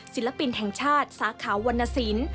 ศิลปินแห่งชาติสาขาวรรณสิน